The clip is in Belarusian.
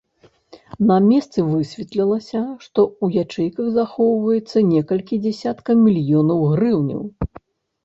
На месцы высветлілася, што ў ячэйках захоўваецца некалькі дзясяткаў мільёнаў грыўняў.